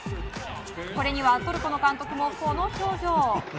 これにはトルコの監督もこの表情。